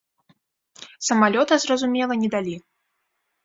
Самалёта, зразумела, не далі.